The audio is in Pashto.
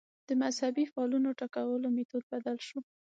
د مذهبي فعالانو ټکولو میتود بدل شو